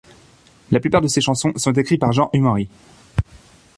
La plupart de ces chansons sont écrites par Jean Humenry.